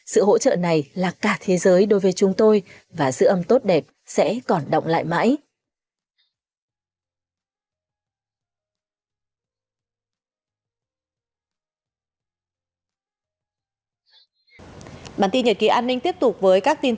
sự hỗ trợ này là cả thế giới đối với chúng tôi và sự âm tốt đẹp sẽ còn động lại mãi